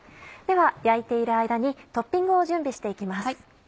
では焼いている間にトッピングを準備して行きます。